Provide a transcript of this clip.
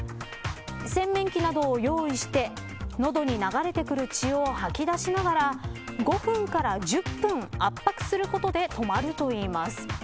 洗面器などを用意してのどに流れてくる血を吐き出しながら５分から１０分、圧迫することで止まるといいます。